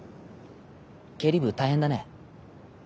経理部大変だね。